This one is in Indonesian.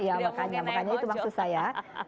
makanya itu maksud saya